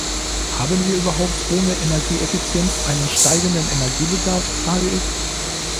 Haben wir überhaupt ohne Energieeffizienz einen steigenden Energiebedarf, frage ich.